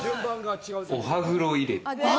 お歯黒入れ。